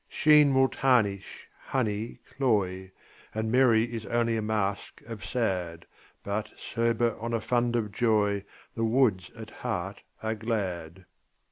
Sheen will tarnish, honey cloy, And merry is only a mask of sad, But, sober on a fund of joy, The woods at heart are glad.